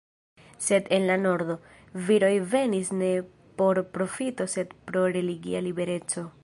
Sed en la nordo, viroj venis ne por profito sed pro religia libereco.